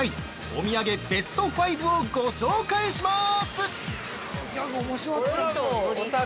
お土産ベスト５をご紹介します！